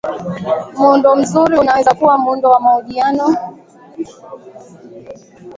muundo mzuri unaweza kuwa muundo wa mahojiano